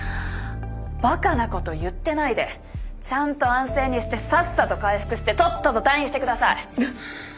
バカなこと言ってないでちゃんと安静にしてさっさと回復してとっとと退院してください。